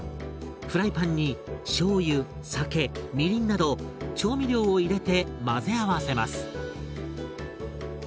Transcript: フライパンにしょうゆ酒みりんなど調味料を入れて混ぜ合わせます。